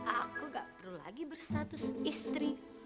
aku gak perlu lagi berstatus istri